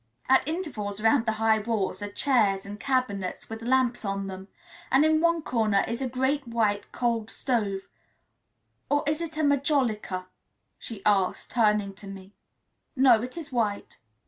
At intervals round the high walls are chairs, and cabinets with lamps on them, and in one corner is a great white cold stove or is it majolica?" she asked, turning to me. "No, it is white."